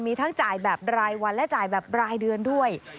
มีทั้งจ่ายแบบรายวันและจ่ายแบบรายเดือนด้วย